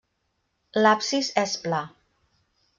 L'absis és pla.